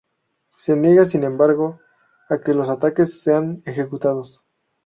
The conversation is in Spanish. Se niega, sin embargo, a que los atacantes sean ejecutados.